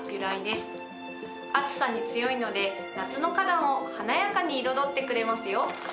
暑さに強いので夏の花壇を華やかに彩ってくれますよ。